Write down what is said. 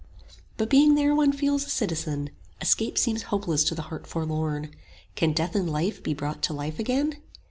But being there one feels a citizen; Escape seems hopeless to the heart forlorn: Can Death in Life be brought to life again?